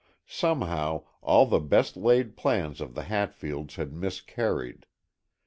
Somehow, all the best laid plans of the Hatfields had miscarried.